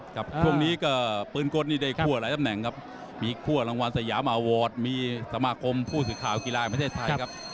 ครับช่วงนี้ก็ปืนกลนี่ได้คั่วหลายตำแหน่งครับมีคั่วรางวัลสยามอาวอวอร์ดมีสมาคมผู้ศึกคราวกีฬาคมเมืองไทยครับ